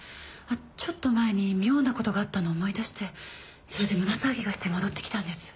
ちょっと前に妙な事があったのを思い出してそれで胸騒ぎがして戻ってきたんです。